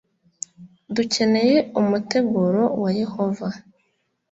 Dukeneye umuteguro wa Yehova